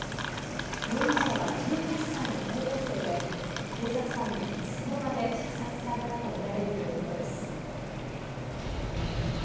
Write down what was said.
容疑者は１８歳の高校生で警察官にその場で射殺されたとみられるということです。